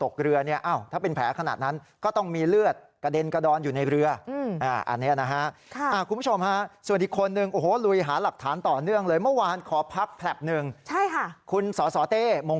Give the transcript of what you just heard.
คุณสสเต้มงคลกิจบอกว่าโอ๊ยเมื่อวานเหนื่อย